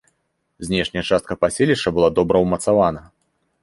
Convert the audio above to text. Знешняя частка паселішча была добра ўмацавана.